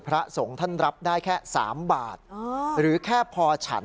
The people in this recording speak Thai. พระสงฆ์ท่านรับได้แค่๓บาทหรือแค่พอฉัน